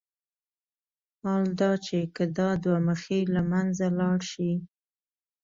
حال دا چې که دا دوه مخي له منځه لاړ شي.